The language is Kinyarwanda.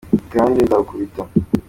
kandi nzagukubita